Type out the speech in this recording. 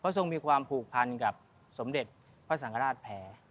ทรงมีความผูกพันกับสมเด็จพระสังฆราชแพ้